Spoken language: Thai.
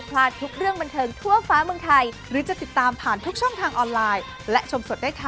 แต่เล่นน้องใหม่กับพี่เต๋อเขาน่ารักดีนะคะ